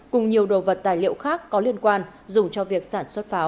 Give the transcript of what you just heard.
cùng nhiều đồ vật tài liệu khác có liên quan dùng cho việc sản xuất pháo